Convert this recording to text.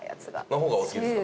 の方がお好きですか？